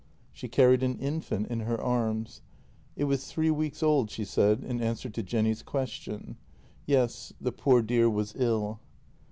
She carried an infant in her arms. It was three weeks old, she said, in answer to Jenny's question. Yes, the poor dear was ill.